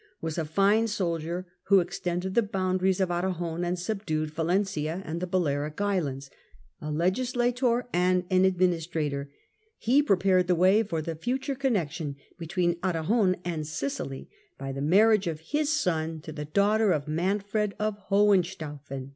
197), was 12^276 ^ fi^^® soldier, who extended the boundaries of Aragon and subdued Valencia and the Balearic Isles, a legislator and an administrator. He prepared the way for the future connexion between Aragon and Sicily by the marriage of his son to the daughter of Manfred of Hohenstaufen.